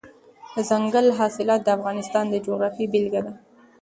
دځنګل حاصلات د افغانستان د جغرافیې بېلګه ده.